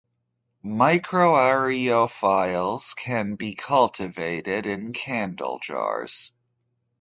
Microaerophiles can be cultivated in candle jars.